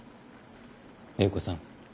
英子さん。